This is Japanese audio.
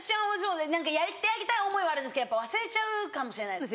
何かやってあげたい思いはあるんですけど忘れちゃうかもしれないです